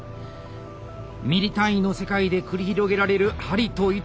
ミリ単位の世界で繰り広げられる針と糸。